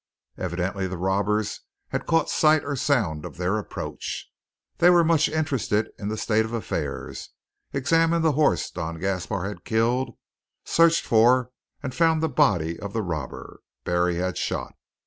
Evidently the robbers had caught sight or sound of their approach. They were much interested in the state of affairs, examined the horse Don Gaspar had killed, searched for and found the body of the robber Barry had shot.